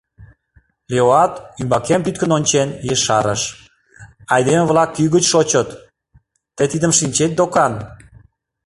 Леоат, ӱмбакем тӱткын ончен, ешарыш: «Айдеме-влак кӱ гыч шочыт, тый тидым шинчет докан».